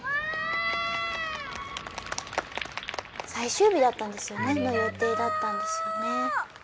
最終日だったんですよね。の予定だったんですよね。